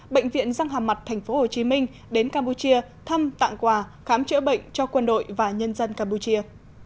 bệnh viện răng hàm mặt tp hcm đến campuchia thăm tặng quà khám chữa bệnh cho quân đội và nhân dân campuchia